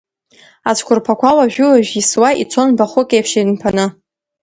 Ацәқәырԥақәа уажәы-уажә исуа, ицон бахәык еиԥш инԥаны.